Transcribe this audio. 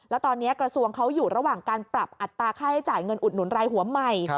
แล้วตอนนี้กระทรวงเขาอยู่ระหว่างการปรับอัตราค่าให้จ่ายเงินอุดหนุนรายหัวใหม่